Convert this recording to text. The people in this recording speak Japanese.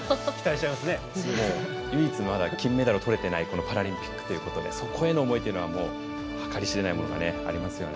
唯一、まだ金メダルをとれていないパラリンピックということでそこへの思いというのは計り知れない思いがありますよね。